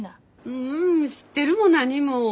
うん知ってるも何も。